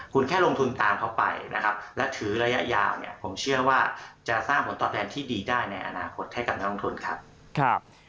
คุณแค่ลงทุนตามเขาไปนะครับและถือระยะยาวเนี่ยผมเชื่อว่าจะสร้างผลตอบแทนที่ดีได้ในอนาคตให้กับน้องทุนครับ